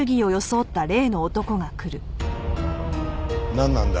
なんなんだ？